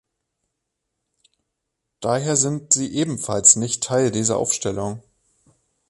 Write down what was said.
Daher sind sie ebenfalls nicht Teil dieser Aufstellung.